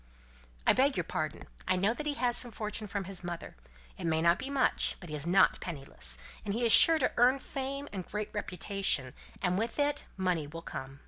"I beg your pardon. I know that he has some fortune from his mother; it may not be much, but he is not penniless; and he is sure to earn fame and great reputation, and with it money will come," said Cynthia.